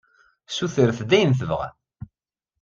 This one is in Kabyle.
Ssutret-d ayen tebɣam!